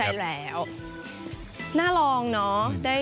ไปแล้วน่าลองเนอะ